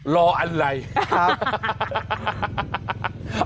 รออันไหลครับ